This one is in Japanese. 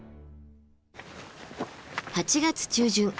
８月中旬。